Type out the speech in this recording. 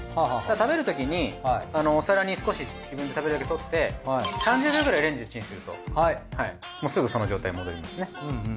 食べるときにお皿に少し自分で食べるだけ取って３０秒くらいレンジでチンするとすぐその状態に戻りますね。